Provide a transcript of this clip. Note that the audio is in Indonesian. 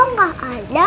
kok gak ada